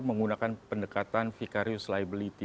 menggunakan pendekatan vicarious liability